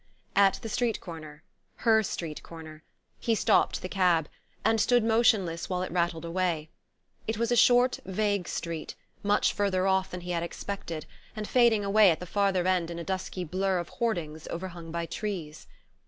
At the street corner her street corner he stopped the cab, and stood motionless while it rattled away. It was a short vague street, much farther off than he had expected, and fading away at the farther end in a dusky blur of hoardings overhung by trees.